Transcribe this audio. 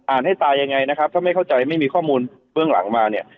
ให้ตายยังไงนะครับถ้าไม่เข้าใจไม่มีข้อมูลเบื้องหลังมาเนี่ย